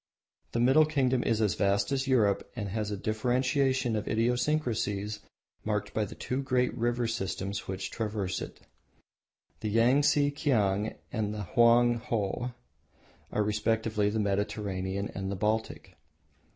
The Middle Kingdom is as vast as Europe and has a differentiation of idiosyncrasies marked by the two great river systems which traverse it. The Yangtse Kiang and Hoang Ho are respectively the Mediterranean and the Baltic.